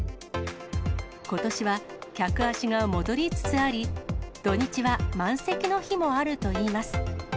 ことしは、客足が戻りつつあり、土日は満席の日もあるといいます。